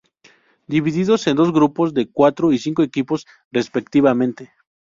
Divididos en dos grupos de cuatro y cinco equipos respectivamente.